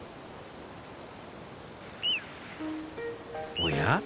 おや？